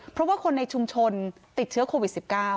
เพราะว่าคนในชุมชนติดเชื้อโควิด๑๙